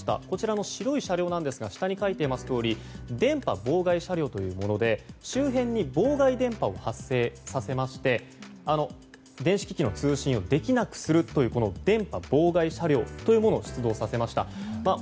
こちらの白い車両なんですが電波妨害車両というもので周辺に妨害電波を発生させまして電子機器の通信をできなくするという電波妨害車両というものを出動させました。